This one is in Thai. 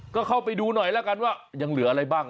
ก็เข้าไปดูหน่อยแล้วกันว่ายังเหลืออะไรบ้าง